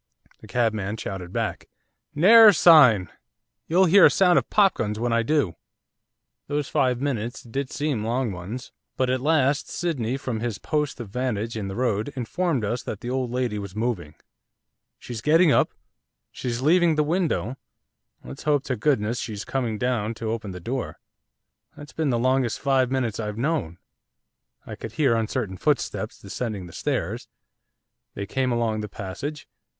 The cabman shouted back. 'Ne'er a sign, you'll hear a sound of popguns when I do.' Those five minutes did seem long ones. But at last Sydney, from his post of vantage in the road, informed us that the old lady was moving. 'She's getting up; she's leaving the window; let's hope to goodness she's coming down to open the door. That's been the longest five minutes I've known.' I could hear uncertain footsteps descending the stairs. They came along the passage.